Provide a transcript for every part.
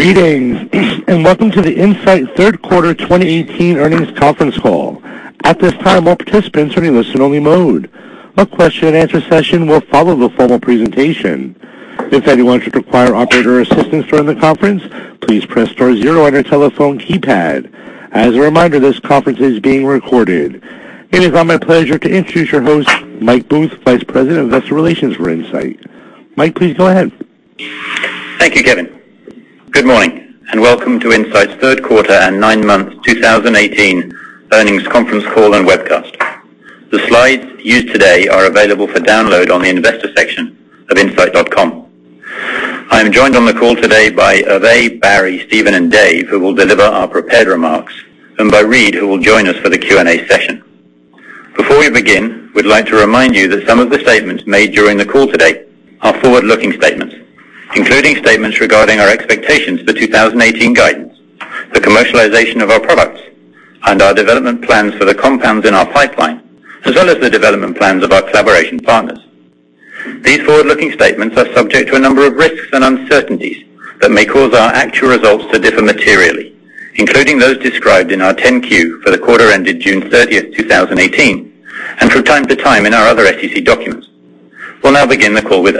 Greetings and welcome to the Incyte third quarter 2018 earnings conference call. At this time, all participants are in listen-only mode. A question-and-answer session will follow the formal presentation. If anyone should require operator assistance during the conference, please press star zero on your telephone keypad. As a reminder, this conference is being recorded. It is now my pleasure to introduce your host, Michael Booth, Vice President of Investor Relations for Incyte. Mike, please go ahead. Thank you, Kevin. Good morning and welcome to Incyte's third quarter and nine-month 2018 earnings conference call and webcast. The slides used today are available for download on the investor section of incyte.com. I am joined on the call today by Hervé, Barry, Steven, and Dave, who will deliver our prepared remarks, and by Reid, who will join us for the Q&A session. Before we begin, we would like to remind you that some of the statements made during the call today are forward-looking statements, including statements regarding our expectations for 2018 guidance, the commercialization of our products, and our development plans for the compounds in our pipeline, as well as the development plans of our collaboration partners. These forward-looking statements are subject to a number of risks and uncertainties that may cause our actual results to differ materially, including those described in our 10-Q for the quarter ended June 30, 2018, and from time to time in our other SEC documents. We will now begin the call with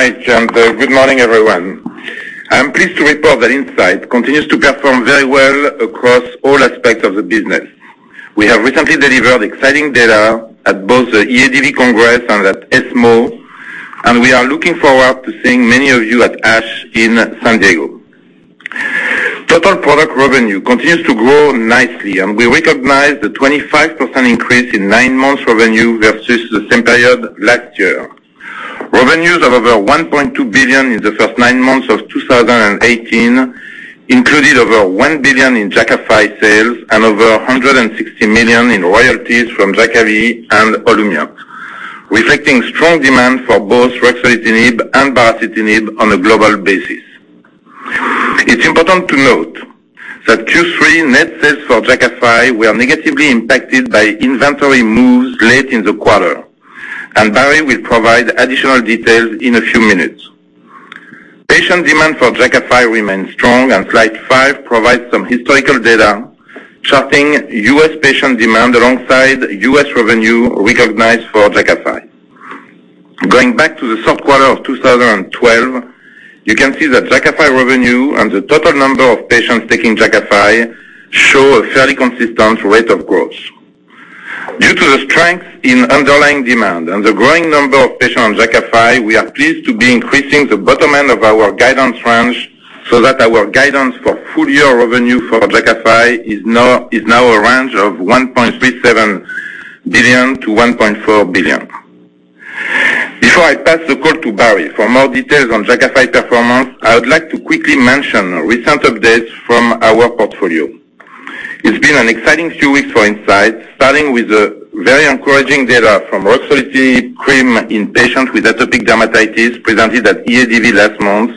Hervé. Thank you, Mike. Good morning, everyone. I am pleased to report that Incyte continues to perform very well across all aspects of the business. We have recently delivered exciting data at both the EADV Congress and at ESMO. We are looking forward to seeing many of you at ASH in San Diego. Total product revenue continues to grow nicely. We recognize the 25% increase in nine-month revenue versus the same period last year. Revenues of over $1.2 billion in the first nine months of 2018 included over $1 billion in Jakafi sales and over $160 million in royalties from Jakavi and OLUMIANT, reflecting strong demand for both ruxolitinib and baricitinib on a global basis. It is important to note that Q3 net sales for Jakafi were negatively impacted by inventory moves late in the quarter. Barry will provide additional details in a few minutes. Patient demand for Jakafi remains strong. Slide five provides some historical data charting U.S. patient demand alongside U.S. revenue recognized for Jakafi. Going back to the third quarter of 2012, you can see that Jakafi revenue and the total number of patients taking Jakafi show a fairly consistent rate of growth. Due to the strength in underlying demand and the growing number of patients on Jakafi, we are pleased to be increasing the bottom end of our guidance range so that our guidance for full year revenue for Jakafi is now a range of $1.37 billion-$1.4 billion. Before I pass the call to Barry for more details on Jakafi performance, I would like to quickly mention recent updates from our portfolio. It's been an exciting few weeks for Incyte, starting with the very encouraging data from ruxolitinib cream in patients with atopic dermatitis presented at EADV last month,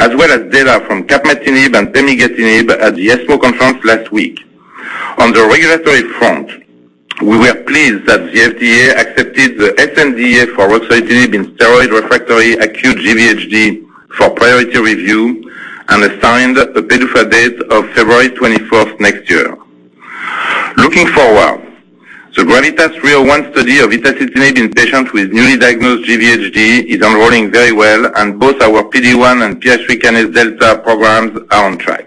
as well as data from capmatinib and pemigatinib at the ESMO conference last week. On the regulatory front, we were pleased that the FDA accepted the sNDA for ruxolitinib in steroid-refractory acute GVHD for priority review and assigned a PDUFA date of February 24th next year. Looking forward, the GRAVITAS-301 study of itacitinib in patients with newly diagnosed GVHD is enrolling very well, and both our PD-1 and PI3 kinase delta programs are on track.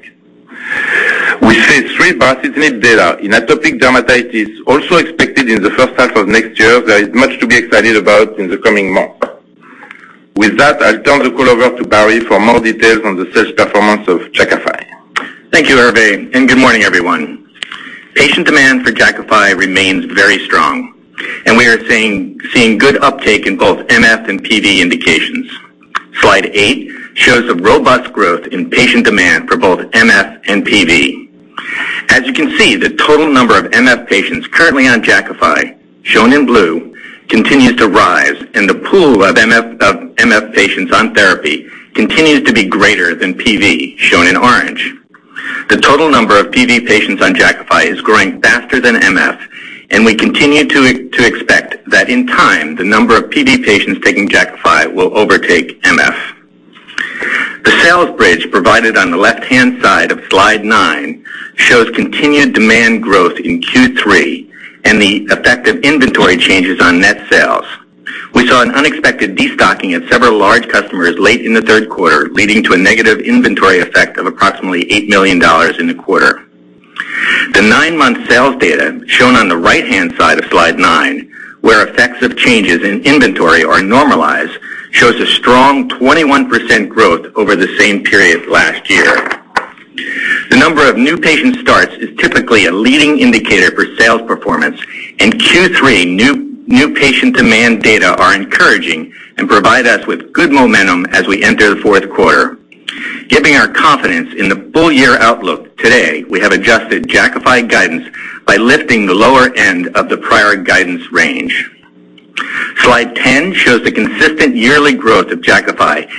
Baricitinib data in atopic dermatitis also expected in the first half of next year. There is much to be excited about in the coming months. I'll turn the call over to Barry for more details on the sales performance of Jakafi. Thank you, Hervé. Good morning, everyone. Patient demand for Jakafi remains very strong. We are seeing good uptake in both MF and PV indications. Slide eight shows the robust growth in patient demand for both MF and PV. As you can see, the total number of MF patients currently on Jakafi, shown in blue, continues to rise. The pool of MF patients on therapy continues to be greater than PV, shown in orange. The total number of PV patients on Jakafi is growing faster than MF. We continue to expect that in time, the number of PV patients taking Jakafi will overtake MF. The sales bridge provided on the left-hand side of slide nine shows continued demand growth in Q3 and the effect of inventory changes on net sales. We saw an unexpected destocking at several large customers late in the third quarter, leading to a negative inventory effect of approximately $8 million in the quarter. The nine-month sales data, shown on the right-hand side of slide nine, where effects of changes in inventory are normalized, shows a strong 21% growth over the same period last year. The number of new patient starts is typically a leading indicator for sales performance. In Q3, new patient demand data are encouraging and provide us with good momentum as we enter the fourth quarter. Giving our confidence in the full year outlook today, we have adjusted Jakafi guidance by lifting the lower end of the prior guidance range. Slide 10 shows the consistent yearly growth of Jakafi,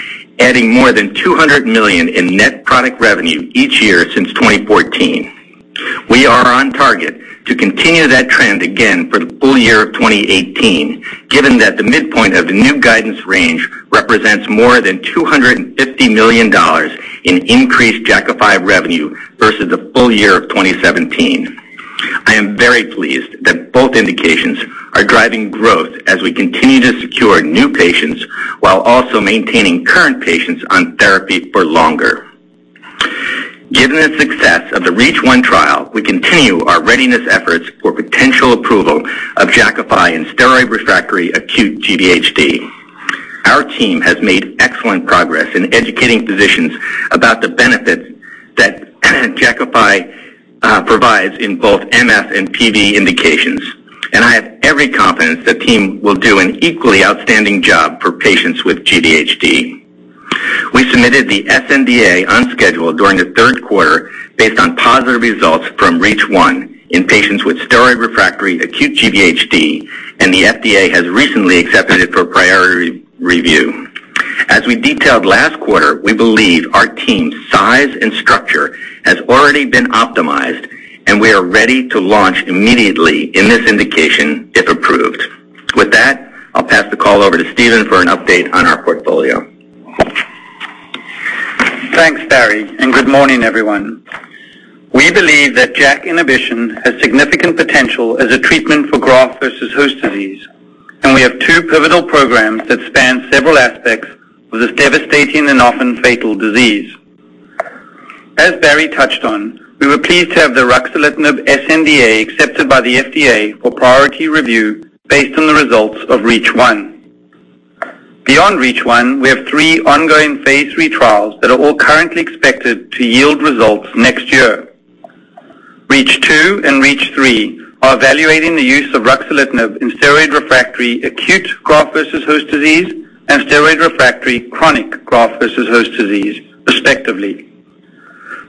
adding more than $200 million in net product revenue each year since 2014. We are on target to continue that trend again for the full year of 2018, given that the midpoint of the new guidance range represents more than $250 million in increased Jakafi revenue versus the full year of 2017. I am very pleased that both indications are driving growth as we continue to secure new patients while also maintaining current patients on therapy for longer. Given the success of the REACH1 trial, we continue our readiness efforts for potential approval of Jakafi in steroid-refractory acute GVHD. Our team has made excellent progress in educating physicians about the benefits that Jakafi provides in both MF and PV indications, and I have every confidence the team will do an equally outstanding job for patients with GVHD. We submitted the sNDA on schedule during the third quarter based on positive results from REACH1 in patients with steroid-refractory acute GVHD. The FDA has recently accepted it for priority review. As we detailed last quarter, we believe our team's size and structure has already been optimized. We are ready to launch immediately in this indication if approved. With that, I'll pass the call over to Steven for an update on our portfolio. Thanks, Barry. Good morning, everyone. We believe that JAK inhibition has significant potential as a treatment for graft-versus-host disease. We have two pivotal programs that span several aspects of this devastating and often fatal disease. As Barry touched on, we were pleased to have the ruxolitinib sNDA accepted by the FDA for priority review based on the results of REACH1. Beyond REACH1, we have three ongoing phase III trials that are all currently expected to yield results next year. REACH2 and REACH3 are evaluating the use of ruxolitinib in steroid-refractory acute graft-versus-host disease and steroid-refractory chronic graft-versus-host disease respectively.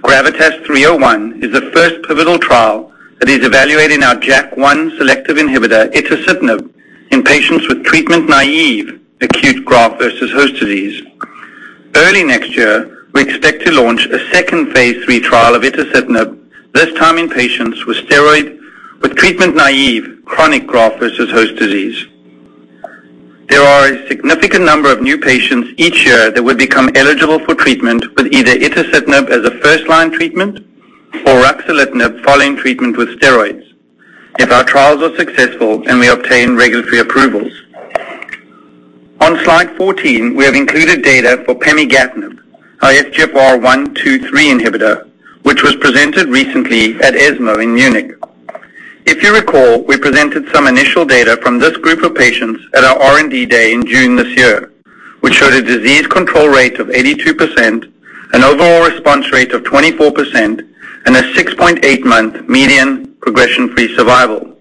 GRAVITAS-301 is the first pivotal trial that is evaluating our JAK1 selective inhibitor, itacitinib, in patients with treatment-naive acute graft-versus-host disease. Early next year, we expect to launch a second phase III trial of itacitinib, this time in patients with treatment-naive chronic graft-versus-host disease. There are a significant number of new patients each year that would become eligible for treatment with either itacitinib as a first-line treatment or ruxolitinib following treatment with steroids if our trials are successful. We obtain regulatory approvals. On slide 14, we have included data for pemigatinib, our FGFR1/2/3 inhibitor, which was presented recently at ESMO in Munich. If you recall, we presented some initial data from this group of patients at our R&D Day in June this year, which showed a disease control rate of 82%, an overall response rate of 24%, and a 6.8-month median progression-free survival.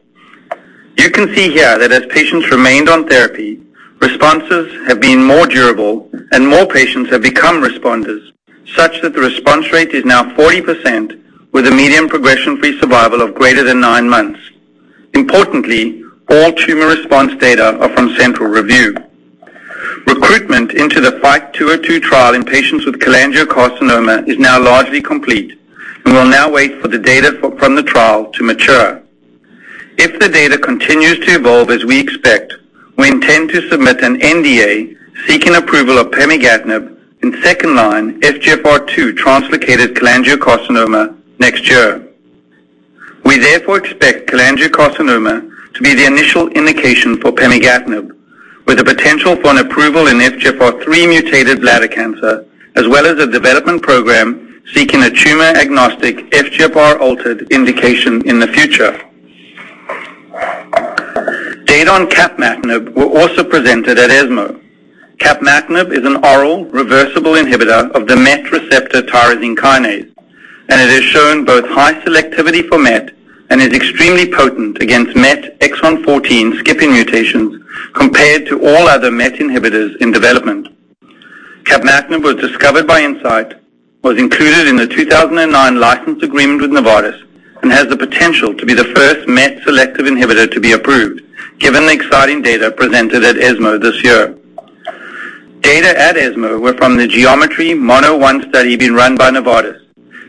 You can see here that as patients remained on therapy, responses have been more durable and more patients have become responders, such that the response rate is now 40% with a median progression-free survival of greater than nine months. Importantly, all tumor response data are from central review. Recruitment into the FIGHT-202 trial in patients with cholangiocarcinoma is now largely complete, and we'll now wait for the data from the trial to mature. If the data continues to evolve as we expect, we intend to submit an NDA seeking approval of pemigatinib in second-line FGFR2 translocated cholangiocarcinoma next year. We therefore expect cholangiocarcinoma to be the initial indication for pemigatinib, with the potential for an approval in FGFR3-mutated bladder cancer, as well as a development program seeking a tumor-agnostic, FGFR-altered indication in the future. Data on capmatinib were also presented at ESMO. Capmatinib is an oral reversible inhibitor of the MET receptor tyrosine kinase. It has shown both high selectivity for MET and is extremely potent against MET exon 14 skipping mutations compared to all other MET inhibitors in development. Capmatinib was discovered by Incyte, was included in the 2009 license agreement with Novartis, and it has the potential to be the first MET selective inhibitor to be approved, given the exciting data presented at ESMO this year. Data at ESMO were from the GEOMETRY mono-1 study being run by Novartis.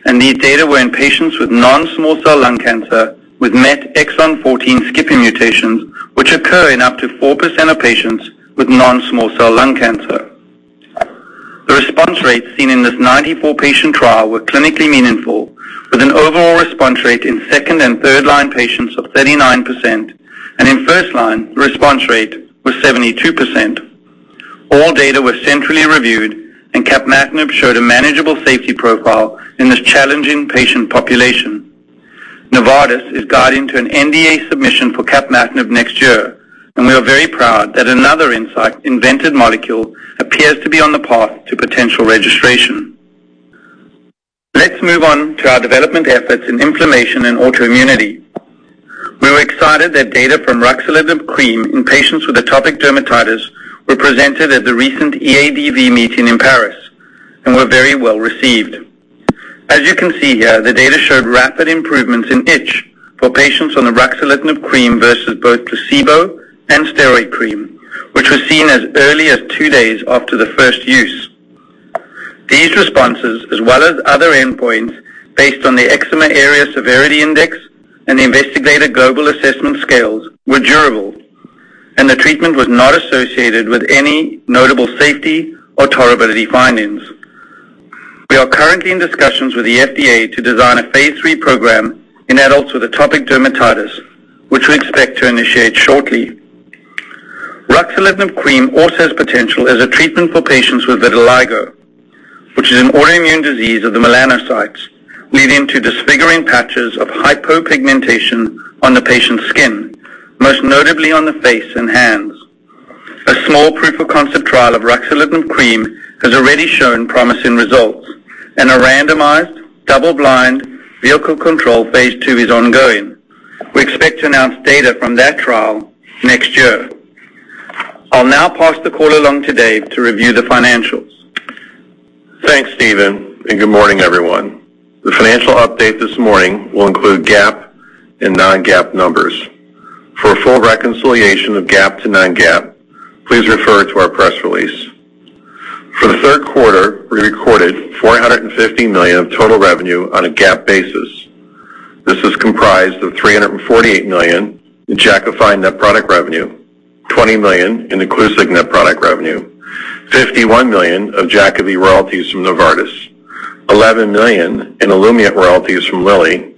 These data were in patients with non-small cell lung cancer with MET exon 14 skipping mutations, which occur in up to 4% of patients with non-small cell lung cancer. The response rates seen in this 94-patient trial were clinically meaningful, with an overall response rate in second- and third-line patients of 39%, and in first-line, the response rate was 72%. All data were centrally reviewed. Capmatinib showed a manageable safety profile in this challenging patient population. Novartis is guiding to an NDA submission for capmatinib next year, and we are very proud that another Incyte-invented molecule appears to be on the path to potential registration. Let's move on to our development efforts in inflammation and autoimmunity. We were excited that data from ruxolitinib cream in patients with atopic dermatitis were presented at the recent EADV meeting in Paris and were very well received. As you can see here, the data showed rapid improvements in itch for patients on the ruxolitinib cream versus both placebo and steroid cream, which was seen as early as two days after the first use. These responses, as well as other endpoints based on the Eczema Area and Severity Index and the Investigator Global Assessment scales were durable. The treatment was not associated with any notable safety or tolerability findings. We are currently in discussions with the FDA to design a phase III program in adults with atopic dermatitis, which we expect to initiate shortly. Ruxolitinib cream also has potential as a treatment for patients with vitiligo, which is an autoimmune disease of the melanocytes, leading to disfiguring patches of hypopigmentation on the patient's skin, most notably on the face and hands. A small proof-of-concept trial of ruxolitinib cream has already shown promising results, and a randomized, double-blind, vehicle-controlled phase II is ongoing. We expect to announce data from that trial next year. I'll now pass the call along to Dave to review the financials. Thanks, Steven, and good morning, everyone. The financial update this morning will include GAAP and non-GAAP numbers. For a full reconciliation of GAAP to non-GAAP, please refer to our press release. For the third quarter, we recorded $450 million of total revenue on a GAAP basis. This is comprised of $348 million in Jakafi net product revenue, $20 million in Iclusig net product revenue, $51 million of Jakavi royalties from Novartis, $11 million in OLUMIANT royalties from Lilly,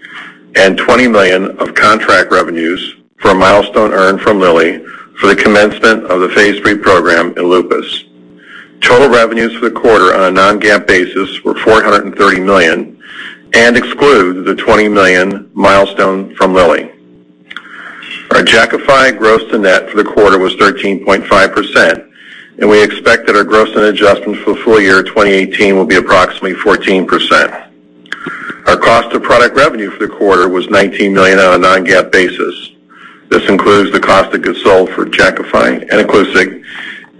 and $20 million of contract revenues for a milestone earned from Lilly for the commencement of the phase III program in lupus. Total revenues for the quarter on a non-GAAP basis were $430 million and exclude the $20 million milestone from Lilly. Our Jakafi gross to net for the quarter was 13.5%, and we expect that our gross and adjustments for full year 2018 will be approximately 14%. Our cost of product revenue for the quarter was $19 million on a non-GAAP basis. This includes the cost of goods sold for Jakafi and Iclusig,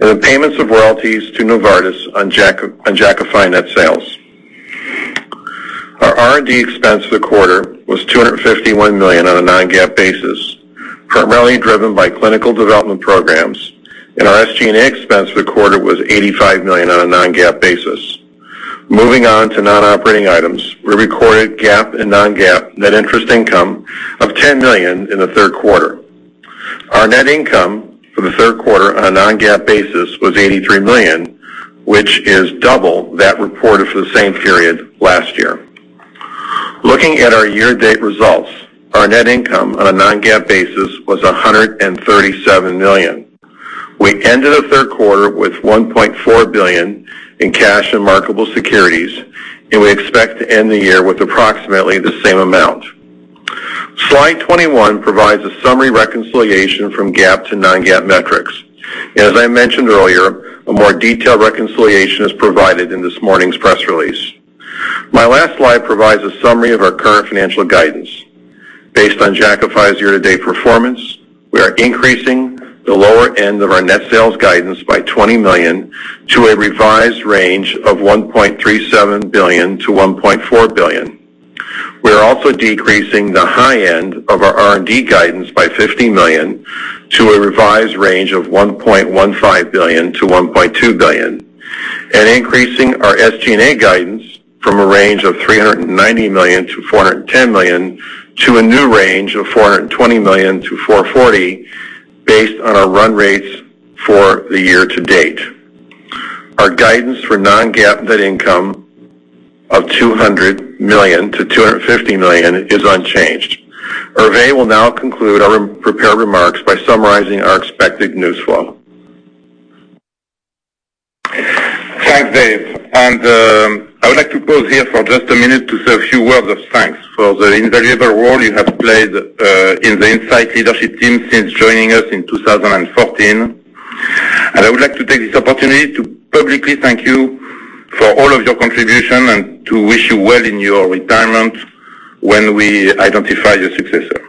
and the payments of royalties to Novartis on Jakafi net sales. Our R&D expense for the quarter was $251 million on a non-GAAP basis, primarily driven by clinical development programs, and our SG&A expense for the quarter was $85 million on a non-GAAP basis. Moving on to non-operating items, we recorded GAAP and non-GAAP net interest income of $10 million in the third quarter. Our net income for the third quarter on a non-GAAP basis was $83 million, which is double that reported for the same period last year. Looking at our year-to-date results, our net income on a non-GAAP basis was $137 million. We ended the third quarter with $1.4 billion in cash and marketable securities, and we expect to end the year with approximately the same amount. Slide 21 provides a summary reconciliation from GAAP to non-GAAP metrics. As I mentioned earlier, a more detailed reconciliation is provided in this morning's press release. My last slide provides a summary of our current financial guidance. Based on Jakafi's year-to-date performance, we are increasing the lower end of our net sales guidance by $20 million to a revised range of $1.37 billion-$1.4 billion. We are also decreasing the high end of our R&D guidance by $50 million to a revised range of $1.15 billion-$1.2 billion, and increasing our SG&A guidance from a range of $390 million-$410 million to a new range of $420 million-$440 million, based on our run rates for the year to date. Our guidance for non-GAAP net income of $200 million-$250 million is unchanged. Hervé will now conclude our prepared remarks by summarizing our expected news flow. Thanks, Dave. I would like to pause here for just a minute to say a few words of thanks for the invaluable role you have played in the Incyte leadership team since joining us in 2014, and I would like to take this opportunity to publicly thank you for all of your contribution and to wish you well in your retirement when we identify your successor.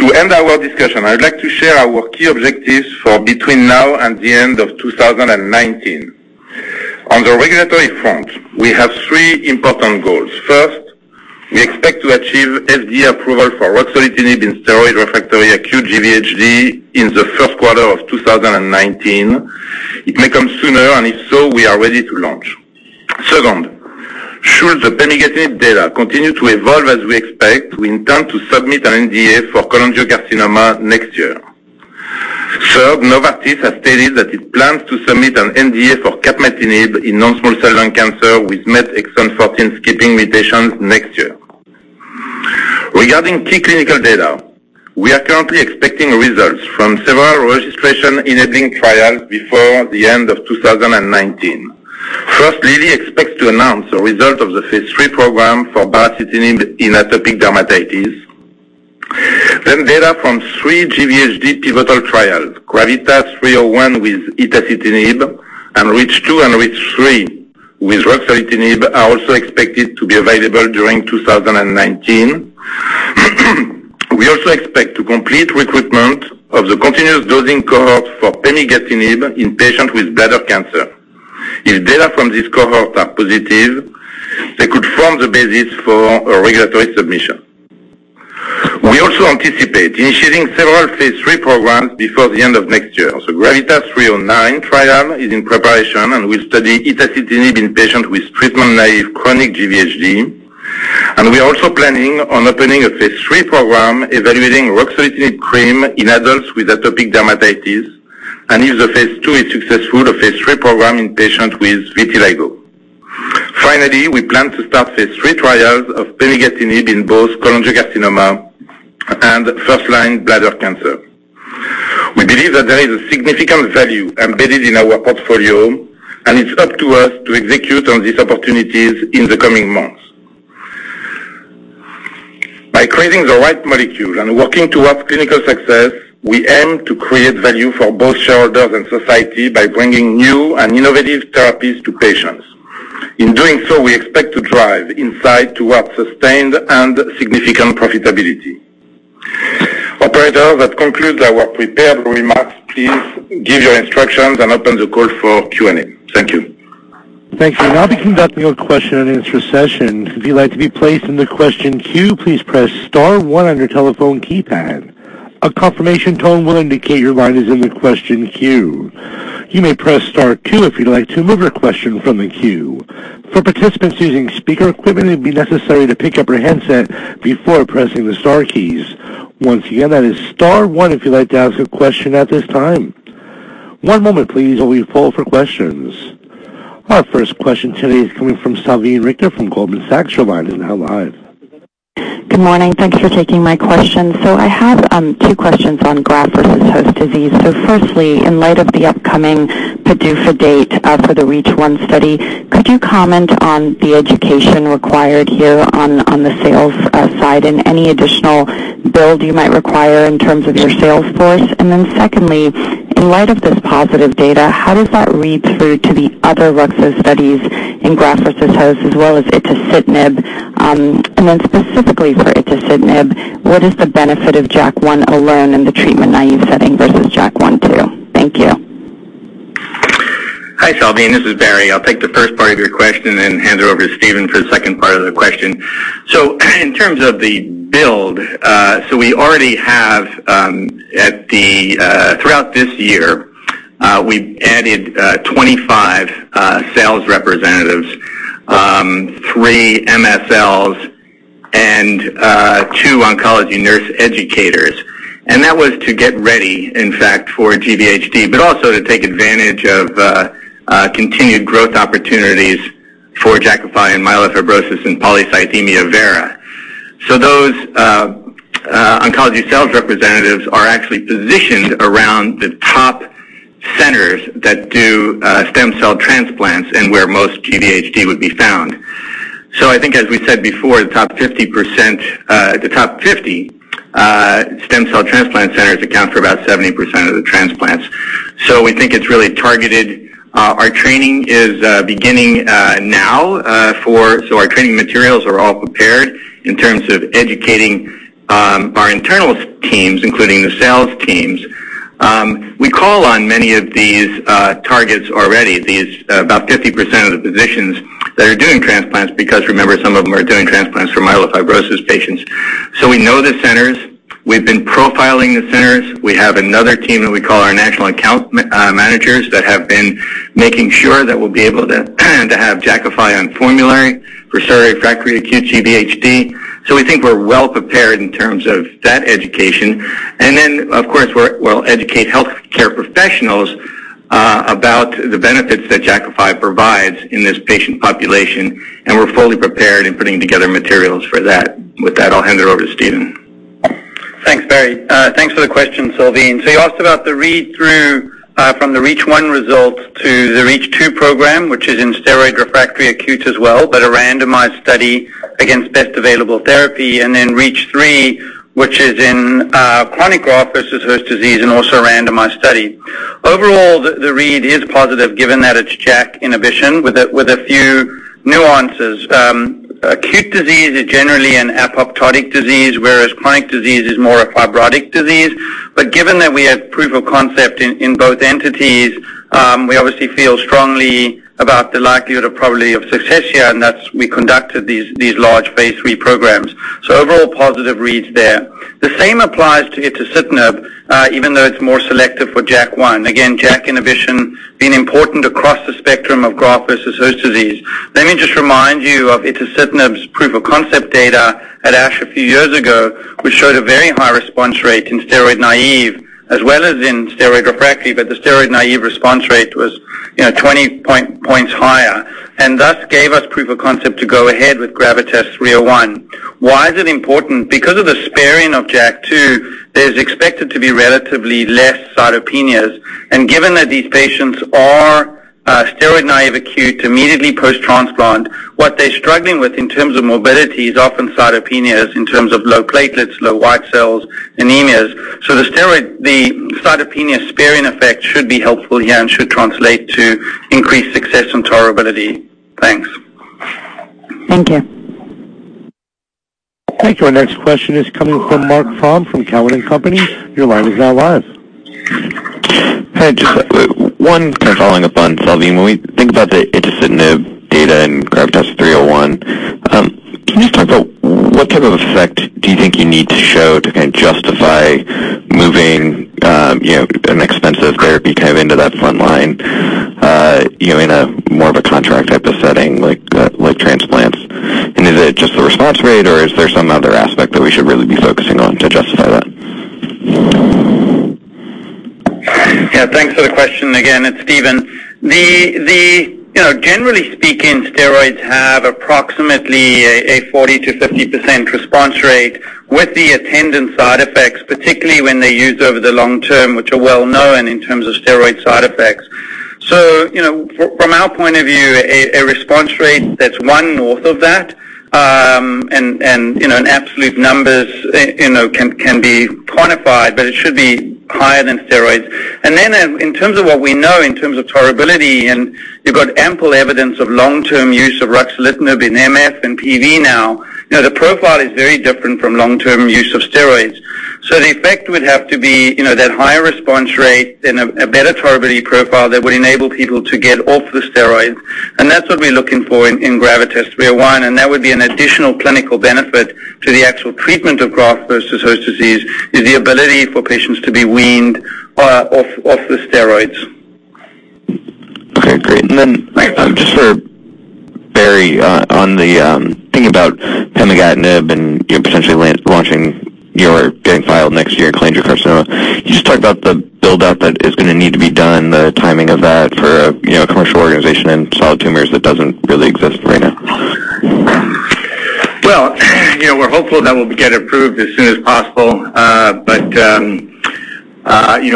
To end our discussion, I would like to share our key objectives for between now and the end of 2019. On the regulatory front, we have three important goals. First, we expect to achieve FDA approval for ruxolitinib in steroid-refractory acute GVHD in the first quarter of 2019. It may come sooner, and if so, we are ready to launch. Second, should the pemigatinib data continue to evolve as we expect, we intend to submit an NDA for cholangiocarcinoma next year. Third, Novartis has stated that it plans to submit an NDA for capmatinib in non-small cell lung cancer with MET exon 14 skipping mutations next year. Regarding key clinical data, we are currently expecting results from several registration-enabling trials before the end of 2019. First, Lilly expects to announce the result of the phase III program for baricitinib in atopic dermatitis. Data from three GVHD pivotal trials, GRAVITAS-301 with itacitinib and REACH2 and REACH3 with ruxolitinib, are also expected to be available during 2019. We also expect to complete recruitment of the continuous dosing cohort for pemigatinib in patients with bladder cancer. If data from this cohort are positive, they could form the basis for a regulatory submission. We also anticipate initiating several phase III programs before the end of next year. GRAVITAS-309 trial is in preparation, and we study itacitinib in patient with treatment-naive chronic GVHD. We are also planning on opening a phase III program evaluating ruxolitinib cream in adults with atopic dermatitis. If the phase II is successful, a phase III program in patient with vitiligo. Finally, we plan to start phase III trials of pemigatinib in both cholangiocarcinoma and first-line bladder cancer. We believe that there is a significant value embedded in our portfolio, and it's up to us to execute on these opportunities in the coming months. By creating the right molecule and working towards clinical success, we aim to create value for both shareholders and society by bringing new and innovative therapies to patients. In doing so, we expect to drive Incyte towards sustained and significant profitability. Operator, that concludes our prepared remarks. Please give your instructions and open the call for Q&A. Thank you. Thank you. Now beginning with your question and answer session. If you'd like to be placed in the question queue, please press star one on your telephone keypad. A confirmation tone will indicate your line is in the question queue. You may press star two if you'd like to move your question from the queue. For participants using speaker equipment, it would be necessary to pick up your handset before pressing the star keys. Once again, that is star one if you'd like to ask a question at this time. One moment please while we poll for questions. Our first question today is coming from Salveen Richter from Goldman Sachs. Your line is now live. Good morning. Thanks for taking my question. I have two questions on graft-versus-host disease. Firstly, in light of the upcoming PDUFA date for the REACH1 study, could you comment on the education required here on the sales side and any additional build you might require in terms of your sales force? Secondly, in light of this positive data, how does that read through to the other ruxo studies in graft-versus-host as well as itacitinib? Specifically for itacitinib, what is the benefit of JAK1 alone in the treatment-naive setting versus JAK1/2? Thank you. Hi, Salveen. This is Barry. I will take the first part of your question and hand it over to Steven for the second part of the question. In terms of the build, we already have, throughout this year, we have added 25 sales representatives, three MSLs, and two oncology nurse educators. That was to get ready, in fact, for GVHD, but also to take advantage of continued growth opportunities for Jakafi in myelofibrosis and polycythemia vera. Those oncology sales representatives are actually positioned around the top centers that do stem cell transplants and where most GVHD would be found. I think as we said before, the top 50 stem cell transplant centers account for about 70% of the transplants. We think it is really targeted. Our training is beginning now, so our training materials are all prepared in terms of educating our internal teams, including the sales teams. We call on many of these targets already, about 50% of the physicians that are doing transplants, because remember, some of them are doing transplants for myelofibrosis patients. We know the centers. We have been profiling the centers. We have another team that we call our national account managers that have been making sure that we will be able to have Jakafi on formulary for steroid-refractory acute GVHD. We think we are well prepared in terms of that education. Of course, we will educate healthcare professionals about the benefits that Jakafi provides in this patient population, and we are fully prepared in putting together materials for that. With that, I will hand it over to Steven. Thanks, Barry. Thanks for the question, Salveen. You asked about the read-through from the REACH1 results to the REACH2 program, which is in steroid-refractory acute as well, but a randomized study against best available therapy, and then REACH3, which is in chronic graft-versus-host disease and also a randomized study. Overall, the read is positive given that it's JAK inhibition with a few nuances. Acute disease is generally an apoptotic disease, whereas chronic disease is more a fibrotic disease. Given that we have proof of concept in both entities, we obviously feel strongly about the likelihood of probably of success here, and thus we conducted these large phase III programs. Overall positive reads there. The same applies to itacitinib, even though it's more selective for JAK1. Again, JAK inhibition being important across the spectrum of graft-versus-host disease. Let me just remind you of itacitinib's proof of concept data at ASH a few years ago, which showed a very high response rate in steroid-naive as well as in steroid refractory, but the steroid-naive response rate was 20 points higher, and thus gave us proof of concept to go ahead with GRAVITAS-301. Why is it important? Because of the sparing of JAK2, there's expected to be relatively less cytopenias. Given that these patients are steroid-naive acute immediately post-transplant, what they're struggling with in terms of morbidity is often cytopenias in terms of low platelets, low white cells, anemias. The cytopenia sparing effect should be helpful here and should translate to increased success and tolerability. Thanks. Thank you. Thank you. Our next question is coming from Marc Frahm from Cowen and Company. Your line is now live. Hey, just one following up on Salveen. When we think about the itacitinib data in GRAVITAS-301, can you talk about what type of effect do you think you need to show to justify moving an expensive therapy into that front line in a more of a contract type of setting like transplants? Is it just the response rate or is there some other aspect that we should really be focusing on to justify that? Yeah, thanks for the question again. It's Steven. Generally speaking, steroids have approximately a 40%-50% response rate with the attendant side effects, particularly when they're used over the long term, which are well-known in terms of steroid side effects. From our point of view, a response rate that's one north of that, and absolute numbers can be quantified, but it should be higher than steroids. In terms of what we know in terms of tolerability, you've got ample evidence of long-term use of ruxolitinib in MF and PV now. The profile is very different from long-term use of steroids. The effect would have to be that higher response rate and a better tolerability profile that would enable people to get off the steroids. And that's what we're looking for in GRAVITAS-301, and that would be an additional clinical benefit to the actual treatment of graft-versus-host disease, is the ability for patients to be weaned off the steroids. Okay, great. Just for Barry, on the thinking about pemigatinib and potentially launching or getting filed next year, cholangiocarcinoma. Can you just talk about the build-out that is going to need to be done, the timing of that for a commercial organization in solid tumors that doesn't really exist right now? We're hopeful that we'll get approved as soon as possible.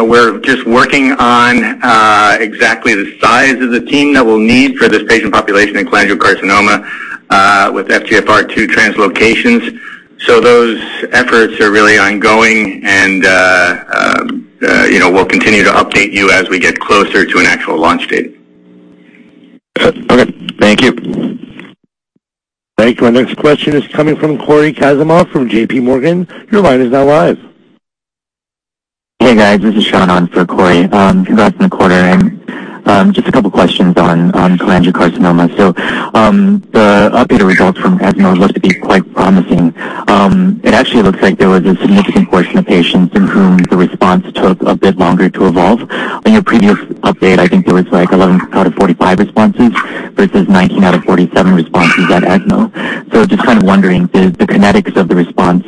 We're just working on exactly the size of the team that we'll need for this patient population in cholangiocarcinoma with FGFR2 translocations. Those efforts are really ongoing and we'll continue to update you as we get closer to an actual launch date. Okay. Thank you. Thank you. Our next question is coming from Cory Kasimov from JP Morgan. Your line is now live. Hey, guys. This is Sean on for Cory. Congrats on the quarter, and just a couple questions on cholangiocarcinoma. The updated results from ESMO looked to be quite promising. It actually looks like there was a significant portion of patients in whom the response took a bit longer to evolve. On your previous update, I think there was 11 out of 45 responses versus 19 out of 47 responses at ESMO. Just kind of wondering, did the kinetics of the response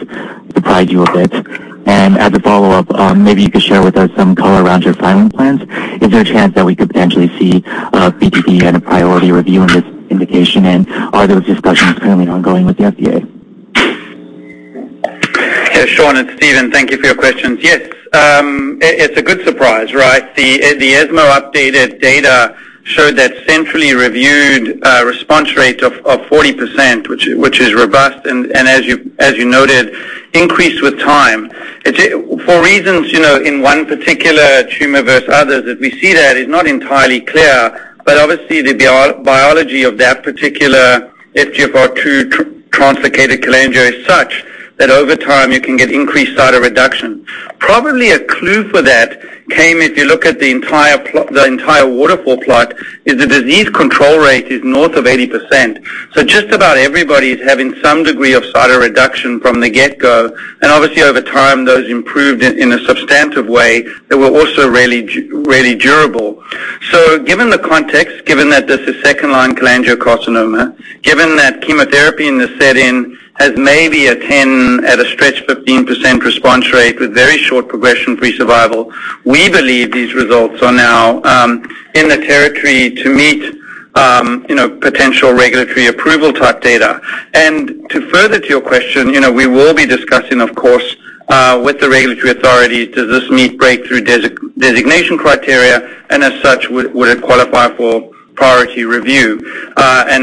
surprise you a bit? As a follow-up, maybe you could share with us some color around your filing plans. Is there a chance that we could potentially see a BTD and a priority review in this indication? Are those discussions currently ongoing with the FDA? Sean, it's Steven. Thank you for your questions. Yes, it's a good surprise, right? The ESMO updated data showed that centrally reviewed response rate of 40%, which is robust and as you noted, increased with time. For reasons, in one particular tumor versus others that we see that is not entirely clear, but obviously the biology of that particular FGFR2 translocated cholangio is such that over time you can get increased cytoreduction. Probably a clue for that came if you look at the entire waterfall plot, is the disease control rate is north of 80%. Just about everybody is having some degree of cytoreduction from the get-go, and obviously over time, those improved in a substantive way that were also really durable. Given the context, given that this is second-line cholangiocarcinoma, given that chemotherapy in this setting has maybe a 10%, at a stretch 15% response rate with very short progression-free survival, we believe these results are now in the territory to meet potential regulatory approval type data. To further to your question, we will be discussing, of course, with the regulatory authorities, does this meet Breakthrough Designation criteria, and as such, would it qualify for priority review?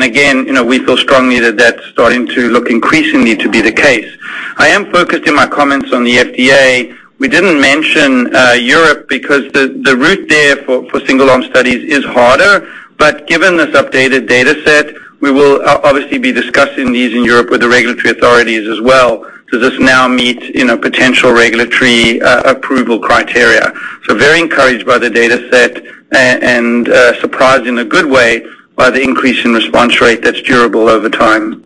Again, we feel strongly that that's starting to look increasingly to be the case. I am focused in my comments on the FDA. We didn't mention Europe because the route there for single arm studies is harder. Given this updated data set, we will obviously be discussing these in Europe with the regulatory authorities as well. Does this now meet potential regulatory approval criteria? Very encouraged by the data set and surprised in a good way by the increase in response rate that's durable over time.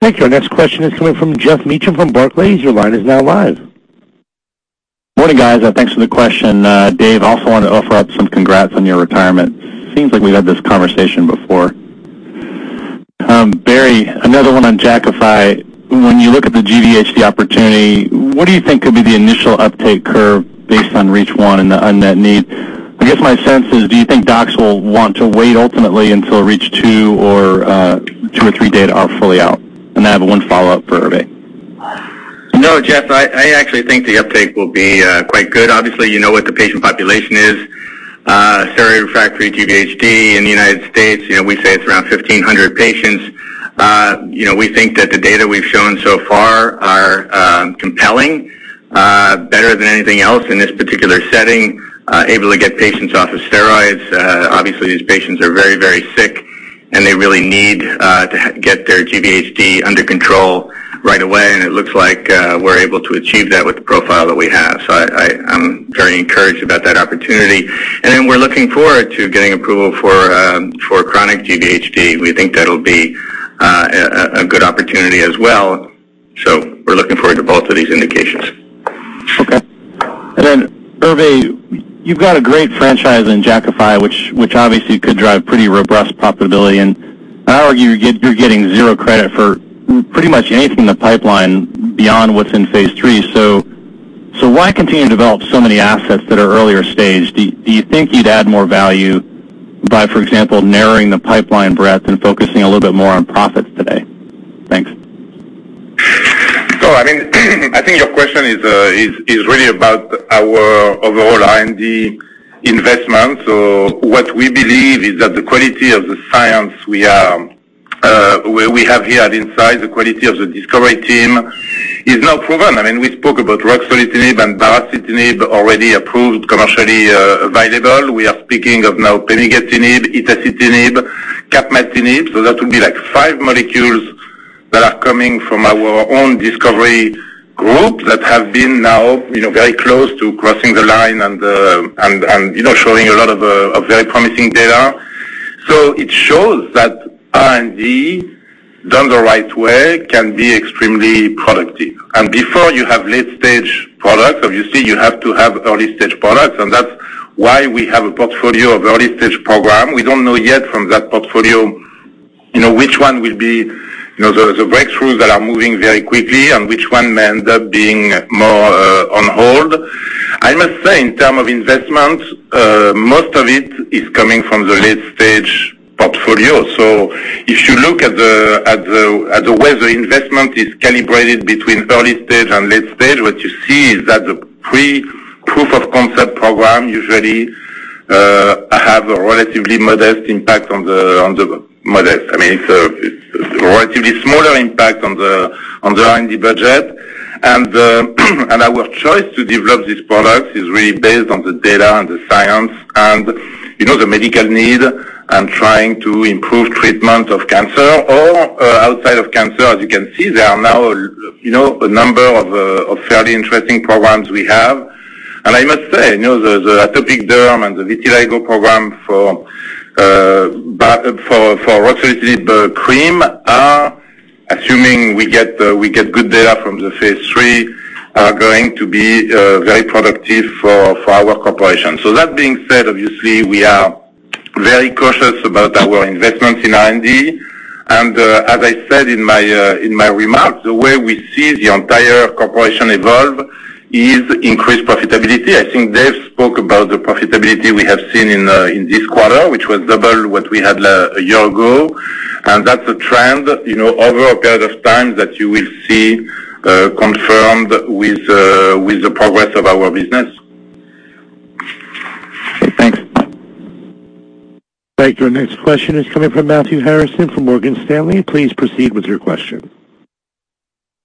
Thank you. Our next question is coming from Geoff Meacham from Barclays. Your line is now live. Morning, guys. Thanks for the question. Dave, I also wanted to offer up some congrats on your retirement. Seems like we've had this conversation before. Barry, another one on Jakafi. When you look at the GVHD opportunity, what do you think could be the initial uptake curve based on REACH1 and the unmet need? I guess my sense is, do you think docs will want to wait ultimately until REACH2 or REACH3 data are fully out? I have one follow-up for Hervé. Geoff, I actually think the uptake will be quite good. Obviously, you know what the patient population is. Steroid-refractory GVHD in the U.S., we say it's around 1,500 patients. We think that the data we've shown so far are compelling. Better than anything else in this particular setting, able to get patients off of steroids. Obviously these patients are very, very sick and they really need to get their GVHD under control right away. It looks like we're able to achieve that with the profile that we have. I'm very encouraged about that opportunity. We're looking forward to getting approval for chronic GVHD. We think that'll be a good opportunity as well. We're looking forward to both of these indications. Okay. Hervé, you've got a great franchise in Jakafi, which obviously could drive pretty robust profitability, and I argue you're getting zero credit for pretty much anything in the pipeline beyond what's in phase III. Why continue to develop so many assets that are earlier stage? Do you think you'd add more value by, for example, narrowing the pipeline breadth and focusing a little bit more on profits today? Thanks. I think your question is really about our overall R&D investment. What we believe is that the quality of the science we have here at Incyte, the quality of the discovery team is now proven. We spoke about ruxolitinib and baricitinib, already approved, commercially available. We are speaking of now pemigatinib, itacitinib, capmatinib. That would be five molecules that are coming from our own discovery group that have been now very close to crossing the line and showing a lot of very promising data. It shows that R&D done the right way can be extremely productive. Before you have late-stage products, obviously you have to have early-stage products, and that's why we have a portfolio of early-stage program. We don't know yet from that portfolio which one will be the breakthroughs that are moving very quickly and which one may end up being more on hold. I must say, in terms of investment, most of it is coming from the late-stage portfolio. If you look at the way the investment is calibrated between early stage and late stage, what you see is that the pre proof of concept program usually have a relatively modest impact on the R&D budget. Modest, it's a relatively smaller impact on the R&D budget. Our choice to develop these products is really based on the data and the science and the medical need and trying to improve treatment of cancer or outside of cancer. You can see, there are now a number of fairly interesting programs we have. I must say, the atopic derm and the vitiligo program for ruxolitinib cream are, assuming we get good data from the phase III, are going to be very productive for our corporation. That being said, obviously, we are very cautious about our investments in R&D. As I said in my remarks, the way we see the entire corporation evolve is increased profitability. I think Dave spoke about the profitability we have seen in this quarter, which was double what we had a year ago. That's a trend over a period of time that you will see confirmed with the progress of our business. Thanks. Thank you. Our next question is coming from Matthew Harrison from Morgan Stanley. Please proceed with your question.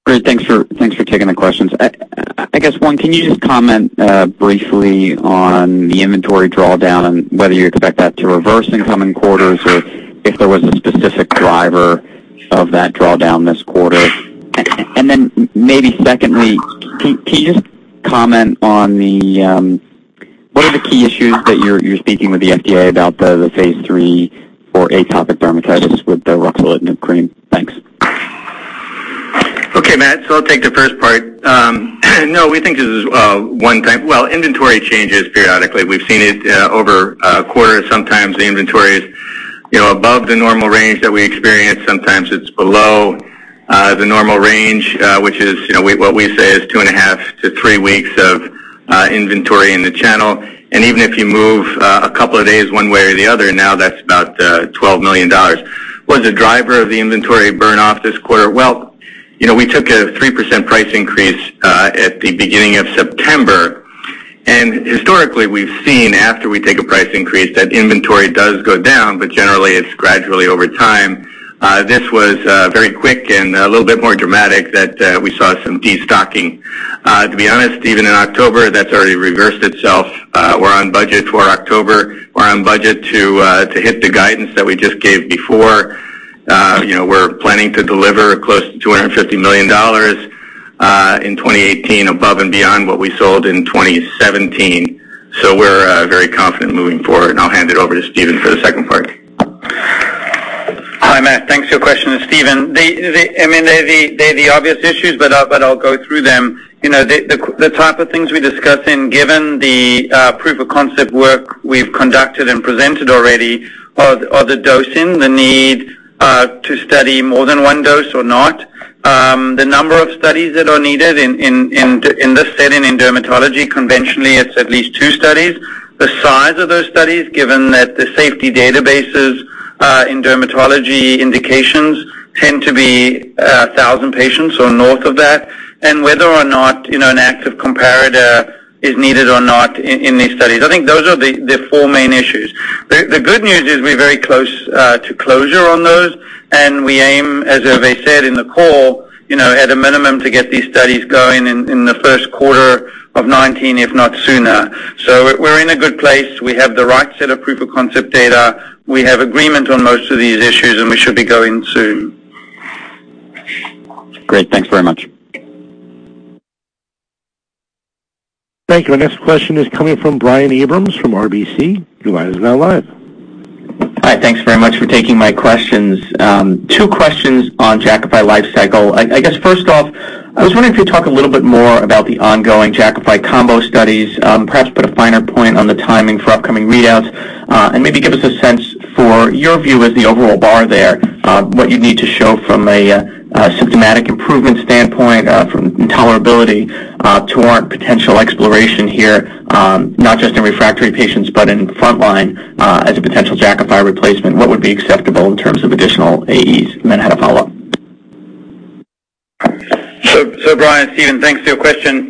Great. Thanks for taking the questions. I guess one, can you just comment briefly on the inventory drawdown and whether you expect that to reverse in coming quarters or if there was a specific driver of that drawdown this quarter? Then maybe secondly, can you just comment on what are the key issues that you're speaking with the FDA about the phase III for atopic dermatitis with the ruxolitinib cream? Thanks. Okay, Matt. I'll take the first part. No, we think this is a one-time. Well, inventory changes periodically. We've seen it over a quarter. Sometimes the inventory is above the normal range that we experience. Sometimes it's below the normal range, which is what we say is two and a half to three weeks of inventory in the channel. Even if you move a couple of days one way or the other, now that's about $12 million. Was the driver of the inventory burn off this quarter? Well, we took a 3% price increase at the beginning of September. Historically we've seen after we take a price increase that inventory does go down, but generally it's gradually over time. This was very quick and a little bit more dramatic that we saw some de-stocking. To be honest, even in October, that's already reversed itself. We're on budget for October. We're on budget to hit the guidance that we just gave before. We're planning to deliver close to $250 million in 2018 above and beyond what we sold in 2017. We're very confident moving forward and I'll hand it over to Steven for the second part. Hi, Matt. Thanks for your question. It's Steven. They're the obvious issues. I'll go through them. The type of things we discuss in, given the proof of concept work we've conducted and presented already, are the dosing, the need to study more than one dose or not. The number of studies that are needed in this setting in dermatology, conventionally it's at least two studies. The size of those studies, given that the safety databases in dermatology indications tend to be 1,000 patients or north of that. Whether or not an active comparator is needed or not in these studies. I think those are the four main issues. The good news is we're very close to closure on those. We aim, as Hervé said in the call, at a minimum, to get these studies going in the first quarter of 2019, if not sooner. We're in a good place. We have the right set of proof-of-concept data. We have agreement on most of these issues. We should be going soon. Great. Thanks very much. Thank you. Our next question is coming from Brian Abrahams from RBC. Your line is now live. Hi. Thanks very much for taking my questions. Two questions on Jakafi lifecycle. I guess, first off, I was wondering if you could talk a little bit more about the ongoing Jakafi combo studies, perhaps put a finer point on the timing for upcoming readouts, and maybe give us a sense for your view as the overall bar there, what you need to show from a symptomatic improvement standpoint, from tolerability to potential exploration here, not just in refractory patients but in front line as a potential Jakafi replacement. What would be acceptable in terms of additional AEs? Then I had a follow-up. Brian, Steven, thanks for your question.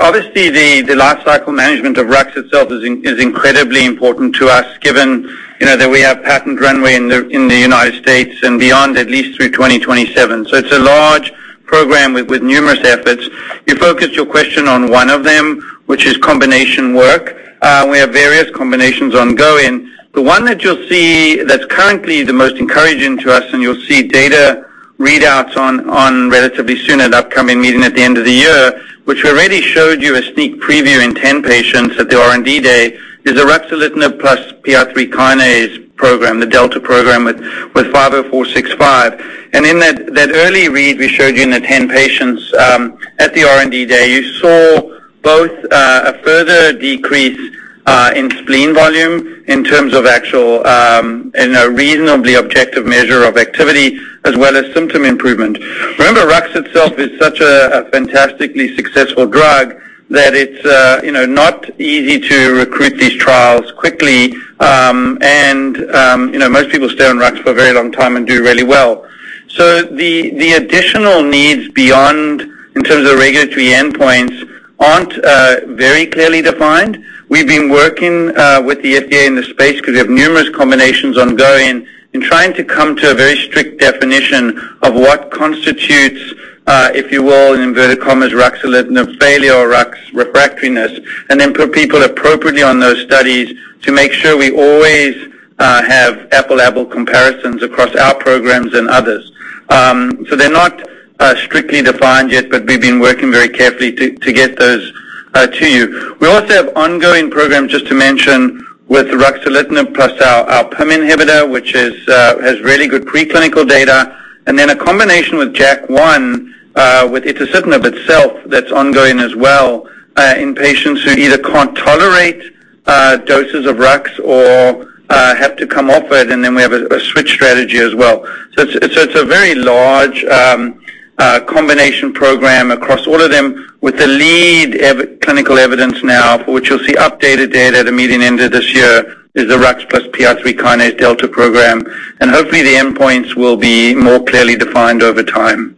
Obviously, the lifecycle management of Rux itself is incredibly important to us given that we have patent runway in the United States and beyond at least through 2027. It's a large program with numerous efforts. You focused your question on one of them, which is combination work. We have various combinations ongoing. The one that you'll see that's currently the most encouraging to us, and you'll see data readouts on relatively soon at an upcoming meeting at the end of the year, which we already showed you a sneak preview in 10 patients at the R&D Day, is the ruxolitinib plus PI3K program, the Delta program with 50465. In that early read we showed you in the 10 patients at the R&D Day, you saw both a further decrease in spleen volume in terms of actual reasonably objective measure of activity as well as symptom improvement. Remember, Rux itself is such a fantastically successful drug that it's not easy to recruit these trials quickly. Most people stay on Rux for a very long time and do really well. The additional needs beyond, in terms of regulatory endpoints, aren't very clearly defined. We've been working with the FDA in this space because we have numerous combinations ongoing in trying to come to a very strict definition of what constitutes, if you will, in inverted commas, ruxolitinib failure or Rux refractoriness, and then put people appropriately on those studies to make sure we always have apple-level comparisons across our programs and others. They're not strictly defined yet, but we've been working very carefully to get those to you. We also have ongoing programs, just to mention, with ruxolitinib plus our POM inhibitor, which has really good pre-clinical data, and then a combination with JAK1 with itacitinib itself that's ongoing as well in patients who either can't tolerate doses of Rux or have to come off it, and then we have a switch strategy as well. It's a very large combination program across all of them with the lead clinical evidence now, for which you'll see updated data at a meeting end of this year, is the Rux plus PI3K Delta program. Hopefully, the endpoints will be more clearly defined over time.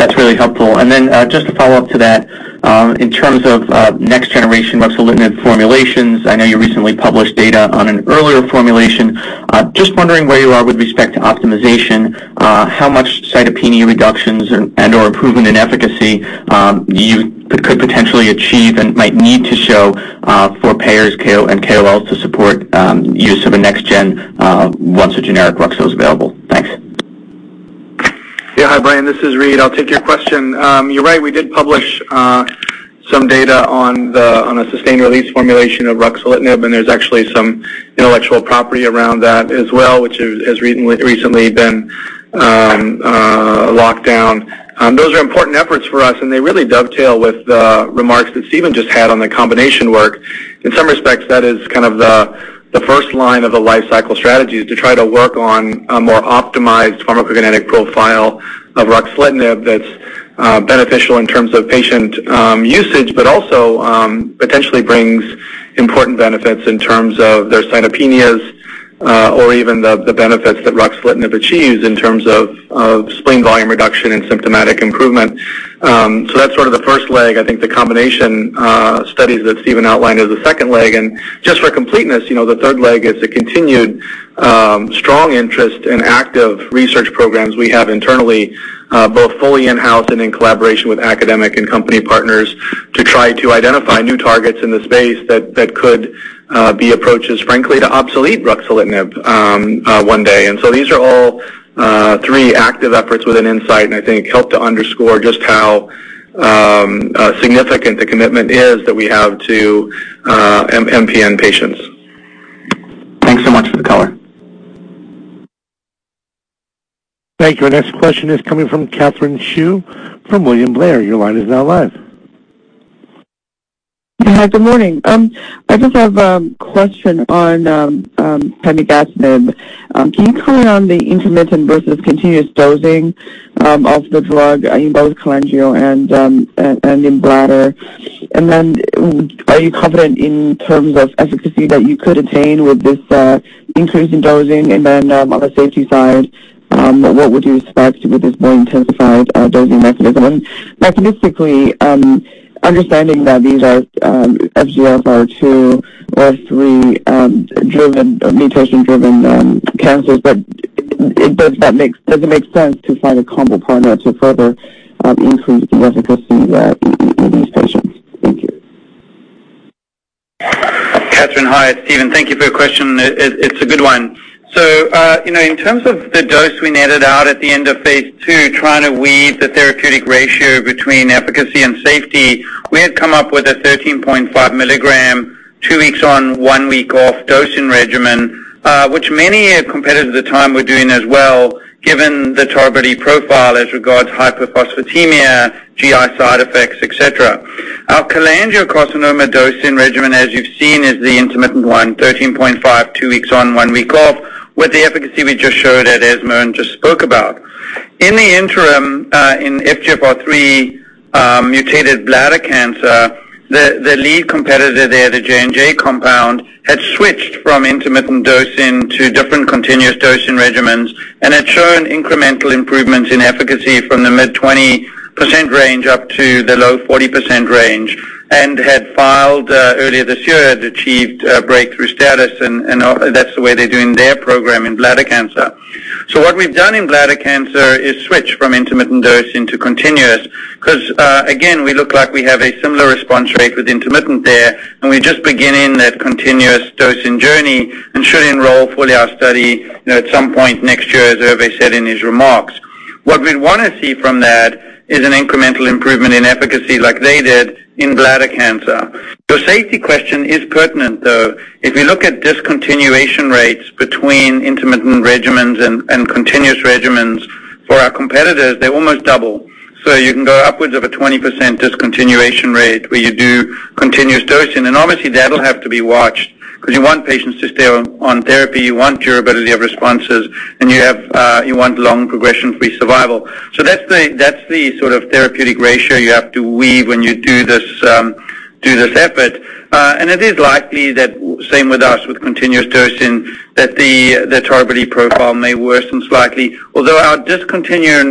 That's really helpful. Then just a follow-up to that. In terms of next generation ruxolitinib formulations, I know you recently published data on an earlier formulation. Just wondering where you are with respect to optimization, how much cytopenia reductions and/or improvement in efficacy you could potentially achieve and might need to show for payers and KOLs to support use of a next gen once a generic Ruxo is available. Thanks. Hi, Brian, this is Reid. I'll take your question. You're right, we did publish some data on a sustained-release formulation of ruxolitinib, and there's actually some intellectual property around that as well, which has recently been locked down. Those are important efforts for us, and they really dovetail with the remarks that Steven just had on the combination work. In some respects, that is kind of the first line of the life cycle strategy, is to try to work on a more optimized pharmacokinetic profile of ruxolitinib that's beneficial in terms of patient usage, but also potentially brings important benefits in terms of their cytopenias or even the benefits that ruxolitinib achieves in terms of spleen volume reduction and symptomatic improvement. That's sort of the first leg. I think the combination studies that Steven outlined is the second leg. Just for completeness, the third leg is the continued strong interest in active research programs we have internally, both fully in-house and in collaboration with academic and company partners to try to identify new targets in the space that could be approaches, frankly, to obsolete ruxolitinib one day. These are all three active efforts within Incyte and I think help to underscore just how significant the commitment is that we have to MPN patients. Thanks so much for the color. Thank you. Our next question is coming from Katherine Xu from William Blair. Your line is now live. Hi, good morning. I just have a question on pemigatinib. Can you comment on the intermittent versus continuous dosing of the drug in both cholangio and in bladder. Are you confident in terms of efficacy that you could attain with this increase in dosing? On the safety side, what would you expect with this more intensified dosing mechanism? Mechanistically, understanding that these are FGFR2 or 3 mutation-driven cancers, does it make sense to find a combo partner to further increase the efficacy in these patients? Thank you. Katherine, hi. It's Steven. Thank you for your question. It's a good one. In terms of the dose we netted out at the end of phase II, trying to weave the therapeutic ratio between efficacy and safety, we had come up with a 13.5 mg, two weeks on, one week off dosing regimen. Which many competitors at the time were doing as well, given the tolerability profile as regards hypophosphatemia, GI side effects, et cetera. Our cholangiocarcinoma dosing regimen, as you've seen, is the intermittent one, 13.5, two weeks on, one week off, with the efficacy we just showed at ESMO and just spoke about. In the interim, in FGFR3 mutated bladder cancer, the lead competitor there, the J&J compound, had switched from intermittent dosing to different continuous dosing regimens and had shown incremental improvements in efficacy from the mid-20% range up to the low 40% range, had filed earlier this year, had achieved breakthrough status, and that's the way they're doing their program in bladder cancer. What we've done in bladder cancer is switch from intermittent dosing to continuous, because, again, we look like we have a similar response rate with intermittent there, and we're just beginning that continuous dosing journey and should enroll fully our study at some point next year, as Hervé said in his remarks. What we'd want to see from that is an incremental improvement in efficacy like they did in bladder cancer. The safety question is pertinent, though. If you look at discontinuation rates between intermittent regimens and continuous regimens for our competitors, they almost double. You can go upwards of a 20% discontinuation rate where you do continuous dosing. Obviously, that'll have to be watched because you want patients to stay on therapy, you want durability of responses, and you want long progression-free survival. That's the sort of therapeutic ratio you have to weave when you do this effort. It is likely that same with us with continuous dosing, that the tolerability profile may worsen slightly. Although our discontinuation